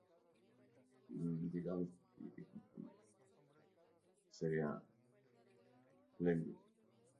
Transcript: Niebla y Antifaz del Norte en una lucha por el campeonato vacante.